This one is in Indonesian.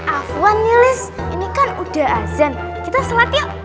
afwan nilis ini kan udah ajan kita selat yuk